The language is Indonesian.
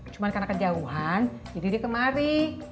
cuma karena kejauhan jadi dia kemari